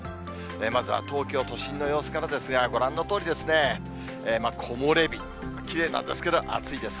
まずは東京都心の様子からですが、ご覧のとおりですね、木漏れ日、きれいなんですけど、暑いです。